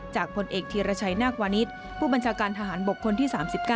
ผลเอกธีรชัยนาควานิสผู้บัญชาการทหารบกคนที่๓๙